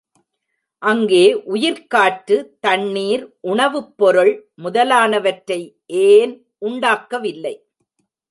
அங்கே உயிர்க்காற்று, தண்ணீர், உணவுப் பொருள் முதலானவற்றை ஏன் உண்டாக்கவில்லை?